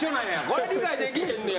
これは理解できへんねや。